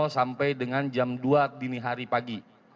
sampai dengan jam dua dini hari pagi